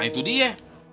nah itu dia